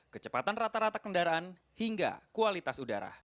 kecepatan rata rata kendaraan hingga kualitas udara